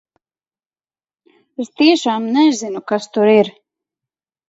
Es tiešām nezinu, kas tur ir!